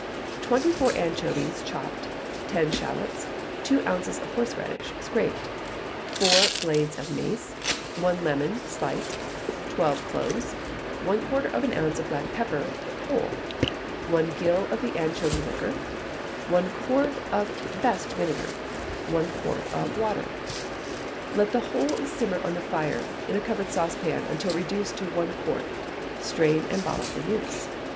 Twenty four anchovies, chopped; ten shalots; two ounces of horseradish, scraped; four blades of mace; one lemon, sliced; twelve cloves; one quarter of an ounce of black pepper, whole; one gill of the anchovy liquor; one quart of best vinegar; one quart of water. Let the whole simmer on the fire, in a covered saucepan, until reduced to one quart, strain, and bottle for use.